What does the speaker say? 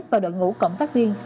và đội ngũ cộng tác viên